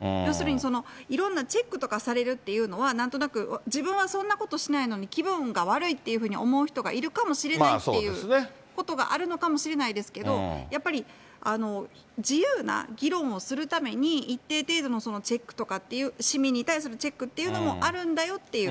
要するに、いろんなチェックとかされるっていうのは、なんとなく、自分はそんなことしないのに、気分が悪いっていうふうに思う人がいるかもしれないっていうことがあるのかもしれないですけれども、やっぱり、自由な議論をするために一定程度のチェックっていう、市民に対するチェックっていうのもあるんだよっていう。